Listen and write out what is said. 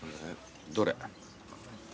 どれ。